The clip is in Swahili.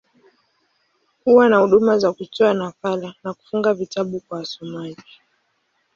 Huwa na huduma za kutoa nakala, na kufunga vitabu kwa wasomaji.